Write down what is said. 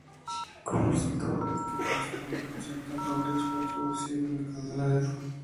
Como resultado de esto, un segundo concierto en Londres fue introducido en el calendario.